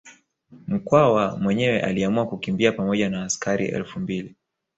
Mkwawa mwenyewe aliamua kukimbia pamoja na askari elfu mbili